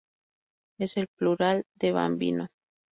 Es el plural de Bambino.